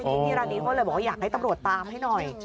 พี่ร้านนี้เขาเลยบอกว่าอยากให้ตำรวจตามให้หน่อย